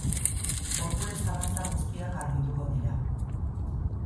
Hor gure zalantza guztiak argituko dira.